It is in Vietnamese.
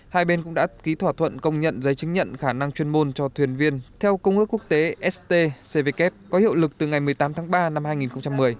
hai bên cũng đã ký thỏa thuận công nhận giấy chứng nhận khả năng chuyên môn cho thuyền viên theo công ước quốc tế st cvk có hiệu lực từ ngày một mươi tám tháng ba năm hai nghìn một mươi